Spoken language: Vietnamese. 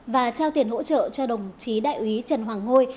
và trao tiền hỗ trợ cho đồng chí đại úy trần hoàng ngôi